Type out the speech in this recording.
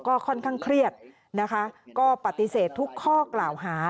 ก็ค่อนข้างเครียดนะคะก็ปฏิเสธทุกข้อกล่าวหา